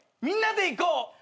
みんなで行こう。